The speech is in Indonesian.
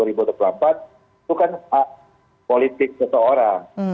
itu kan hak politik seseorang